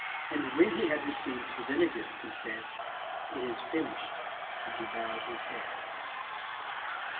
And when he had received the vinegar, he said, It is finished, and he bowed his head."